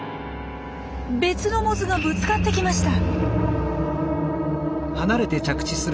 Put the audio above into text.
別のモズがぶつかってきました。